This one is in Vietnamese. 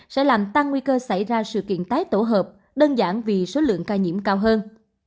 sẽ làm tăng nguy cơ xảy ra sự kiện tái tổ hợp đơn giản vì số lượng ca nhiễm cao hơn